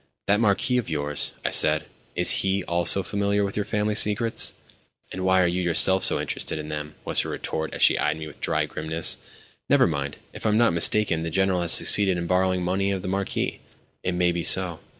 "That Marquis of yours," I said, "—is he also familiar with your family secrets?" "And why are you yourself so interested in them?" was her retort as she eyed me with dry grimness. "Never mind. If I am not mistaken, the General has succeeded in borrowing money of the Marquis." "It may be so."